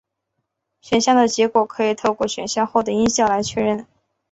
选项的结果可以透过选择后的音效来确认。